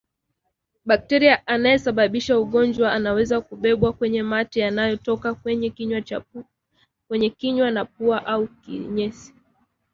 Bakteria anayesababisha ugonjwa anaweza kubebwa kwenye mate yanayotoka kwenye kinywa na pua au kinyesi